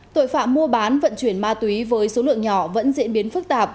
tội phạm mua bán vận chuyển ma túy với số lượng nhỏ vẫn diễn biến phức tạp